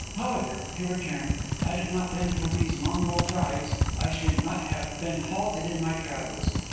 However, to return, had it not been for these Mongol tribes, I should not have been halted in my travels.